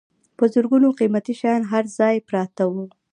په زرګونو قیمتي شیان هر ځای پراته وو.